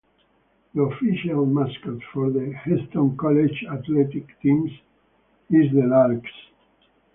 The official mascot for the Hesston College athletic teams is the Larks.